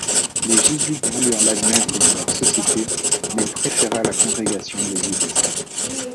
Les jésuites voulurent l’admettre dans leur société, mais il préféra la congrégation des eudistes.